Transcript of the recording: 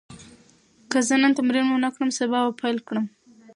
که زه نن تمرین ونه کړم، سبا به پیل کړم.